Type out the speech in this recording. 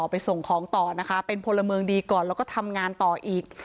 ไปส่งของต่อนะคะเป็นพลเมืองดีก่อนแล้วก็ทำงานต่ออีก